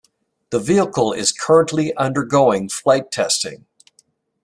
The vehicle is currently undergoing flight testing.